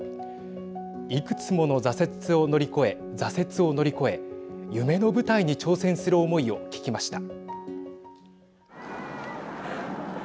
いくつもの挫折を乗り越え夢の舞台に挑戦する思いを聞きました。